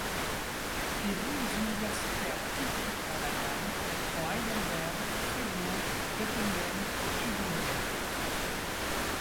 Des villes universitaires typiques en Allemagne sont Heidelberg, Fribourg, Göttingen et Tübingen.